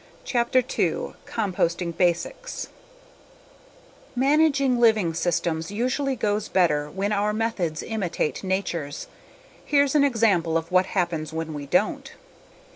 CHAPTER TWO Composting Basics Managing living systems usually goes better when our methods imitate nature's. Here's an example of what happens when we don't.